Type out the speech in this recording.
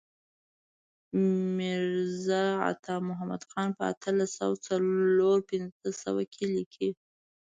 میرزا عطا محمد خان په اتلس سوه څلور پنځوس کې لیکلی.